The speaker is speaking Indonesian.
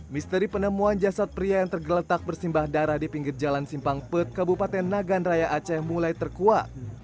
misteri penemuan jasad pria yang tergeletak bersimbah darah di pinggir jalan simpangpet kabupaten nagan raya aceh mulai terkuat